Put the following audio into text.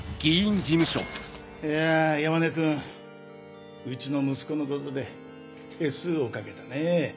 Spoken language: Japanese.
いや山根君うちの息子のことで手数をかけたね。